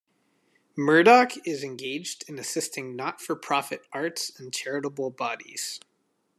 Murdoch is engaged in assisting not-for-profit arts and charitable bodies.